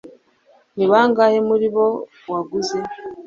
ni bangahe muri bo waguze